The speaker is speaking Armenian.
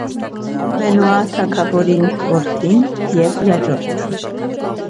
Մենուա թագաւորին որդին եւ յաջորդը։